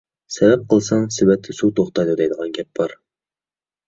«سەۋەب قىلساڭ سېۋەتتە سۇ توختايدۇ» دەيدىغان گەپ بار.